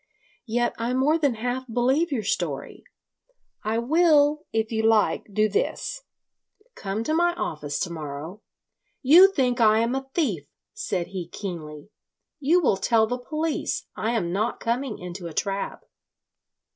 Yet I more than half believe your story. I will, if you like, do this: come to my office to morrow ...." "You think I am a thief!" said he keenly. "You will tell the police. I am not coming into a trap."